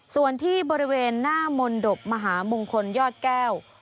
ส่วนที่บริเวณหน้ามนตบมหามงคลยอดแก้ว